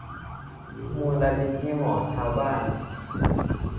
มูลนิธิหมอชาวบ้าน